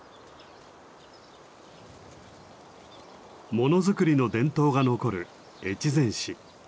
ものづくりの伝統が残る越前市。